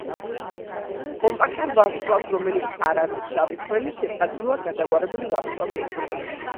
კომპაქტურ ვარსკვლავს, რომელიც არ არის შავი ხვრელი, შესაძლოა გადაგვარებული ვარსკვლავი ეწოდოს.